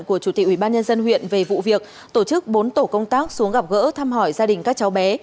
của chủ tịch ubnd huyện về vụ việc tổ chức bốn tổ công tác xuống gặp gỡ thăm hỏi gia đình các cháu bé